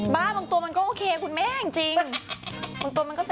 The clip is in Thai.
บางตัวมันก็โอเคคุณแม่จริง